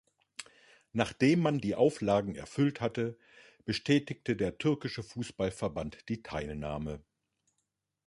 Nachdem man die Auflagen erfüllt hatte, bestätigte der türkische Fußballverband die Teilnahme.